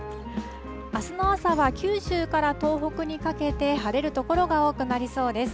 あすの朝は九州から東北にかけて晴れる所が多くなりそうです。